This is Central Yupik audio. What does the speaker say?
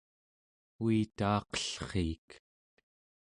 uitaaqellriik